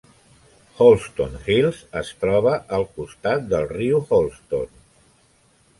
Holston Hills es troba al costat de riu Holston.